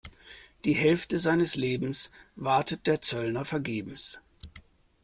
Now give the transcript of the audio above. Die Hälfte seines Lebens wartet der Zöllner vergebens.